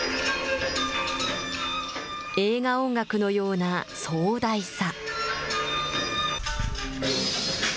映画音楽のような壮大さ。